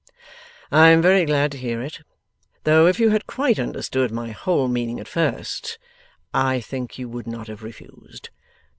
'I am very glad to hear it. Though if you had quite understood my whole meaning at first, I think you would not have refused.